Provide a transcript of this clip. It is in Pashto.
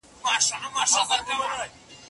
فساد د ټولني امن او ډاډ له منځه وړي.